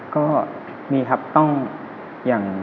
ก็มีครับต้อง